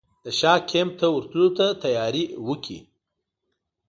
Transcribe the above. د شاه کمپ ته ورتللو ته تیاري وکړي.